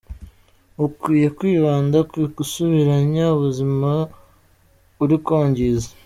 Ukwiye kwibanda ku gusubiranya ubuzima uri kwangiza.